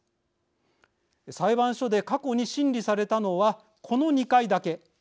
裁判所で過去に審理されたのはこの２回だけ。